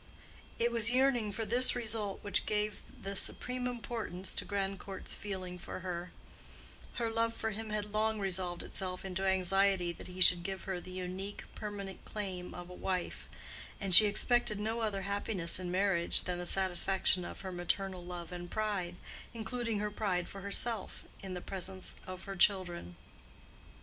It was the yearning for this result which gave the supreme importance to Grandcourt's feeling for her; her love for him had long resolved itself into anxiety that he should give her the unique, permanent claim of a wife, and she expected no other happiness in marriage than the satisfaction of her maternal love and pride—including her pride for herself in the presence of her children.